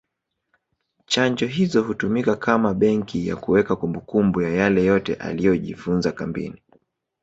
Chanjo hizo hutumika kama benki ya kuweka kumbukumbu ya yale yote aliyojifunza kambini